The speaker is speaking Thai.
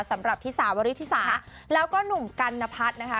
สำหรับที่สาวริธิสาแล้วก็หนุ่มกันนพัฒน์นะคะ